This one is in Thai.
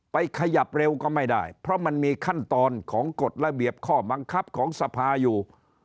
ขยับเร็วก็ไม่ได้เพราะมันมีขั้นตอนของกฎระเบียบข้อบังคับของสภาอยู่